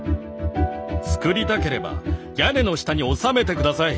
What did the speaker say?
つくりたければ屋根の下に収めて下さい！